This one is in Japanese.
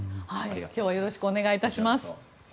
今日はよろしくお願いいたします。